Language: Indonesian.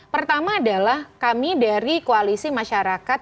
pertama adalah kami dari koalisi masyarakat